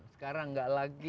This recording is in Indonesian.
sekarang enggak lagi